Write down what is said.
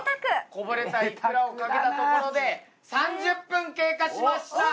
こぼれたイクラをかけたところで３０分経過しました。